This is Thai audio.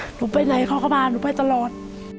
หนูไปไหนเขาก็พาหนูไปตลอด